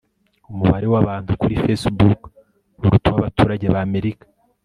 Umubare wabantu kuri Facebook uruta uwabaturage ba Amerika